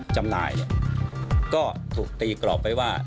จำหน่ายก็ถูกตีกรอบไว้ว่า